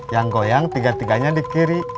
yang goyang tiga tiganya di kiri